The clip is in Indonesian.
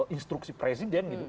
instruksi presiden gitu